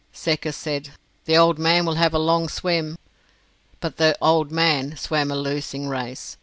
Secker said: "The old man will have a long swim." But the "old man" swam a losing race.